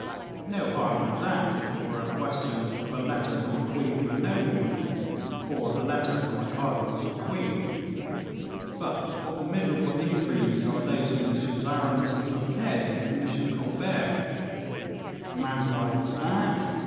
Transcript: No harm in that, if it were a question of a letter from a queen to a nobleman, or a letter from a cardinal to a queen; but what miserable intrigues are those of Messieurs Aramis and Fouquet with M. Colbert. A man's life for that?